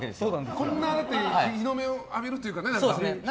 こんな日の目を浴びるというかね。